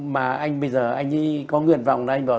mà anh bây giờ anh có nguyện vọng là anh bảo